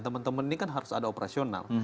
teman teman ini kan harus ada operasional